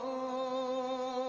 assalatu wassalamu alaikum